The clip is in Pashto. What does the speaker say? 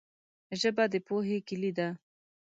ژبه د پوهې کلي ده